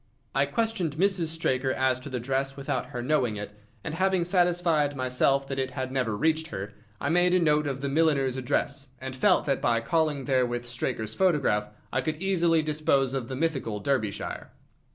I questioned Mrs. Straker as to the dress without her knowing it, and having satisfied myself that it had never reached her, I made a note of the milliner's address, and felt that by calling there with Straker's photograph I could easily dispose of the mythical Derbyshire.